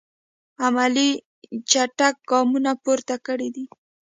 عملي چټک ګامونه پورته کړی دي.